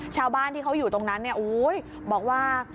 ชาวบ้านที่เขาอยู่ตรงนั้นเนี่ยบอกว่า